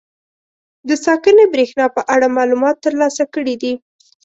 د ساکنې برېښنا په اړه معلومات تر لاسه کړي دي.